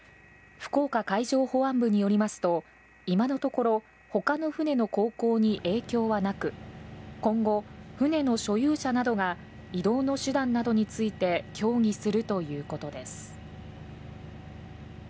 福岡海上保安部によりますと、今のところ、ほかの船の航行に影響はなく、今後、船の所有者などが移動の手段などについて協議するということです。